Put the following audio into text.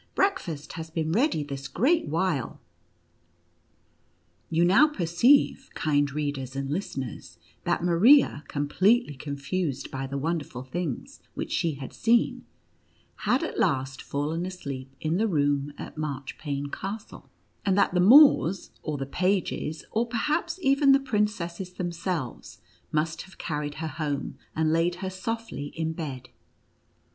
breakfast has been ready this great while." You now perceive, kind readers and listeners, that Maria, completely confused by the wonderful things which she had seen, had at last fallen asleep in the room at Marchpane Castle, and that the Moors, or the pages, or perhaps even the princesses themselves must have carried her home, and laid her softly in bed..